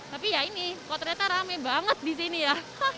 tapi ya ini kok ternyata rame banget disini ya